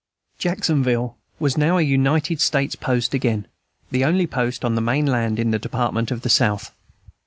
Jacksonville was now a United States post again: the only post on the main land in the Department of the South.